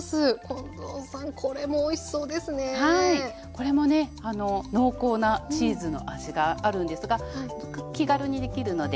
これもね濃厚なチーズの味があるんですが気軽にできるのでおすすめです。